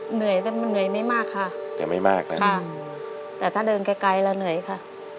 เหนื่อยแต่เหนื่อยไม่มากค่ะแต่ถ้าเดินไกลแล้วเหนื่อยค่ะ